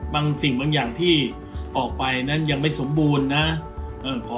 บางสิ่งบางอย่างที่ออกไปนั้นยังไม่สมบูรณ์นะ